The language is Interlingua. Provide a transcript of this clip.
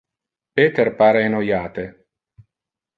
Peter pare enoiate.